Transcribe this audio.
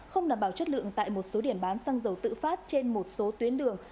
không đảm bảo chất lượng tại một số điểm bán xăng dầu tự phát trên một số tuyến đường